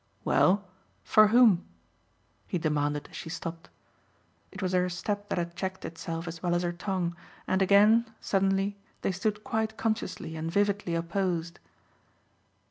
"Well, for whom?" he demanded as she stopped. It was her step that had checked itself as well as her tongue, and again, suddenly, they stood quite consciously and vividly opposed.